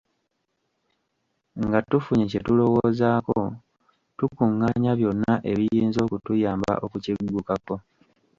Nga tufunye kye tulowoozaako, tukungaanya byonna ebiyinza okutuyamba okukiggukako.